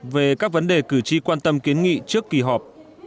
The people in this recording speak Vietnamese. về các vấn đề cử tri quan tâm kiến nghị trước kỳ họp